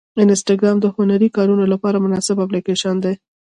انسټاګرام د هنري کارونو لپاره مناسب اپلیکیشن دی.